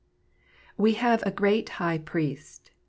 We have a great High Priest."